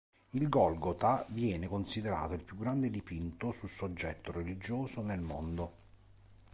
Il "Golgota" viene considerato il più grande dipinto su soggetto religioso nel mondo.